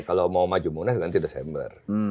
kalau mau maju munas nanti desember